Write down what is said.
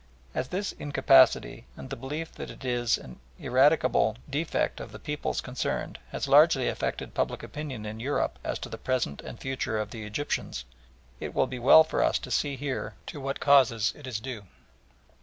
As this incapacity and the belief that it is an irradicable defect of the peoples concerned has largely affected public opinion in Europe as to the present and future of the Egyptians, it will be well for us to see here to what causes it is due.